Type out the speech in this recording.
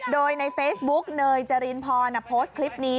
โดยในเฟซบุ๊กเนยจรินพรโพสต์คลิปนี้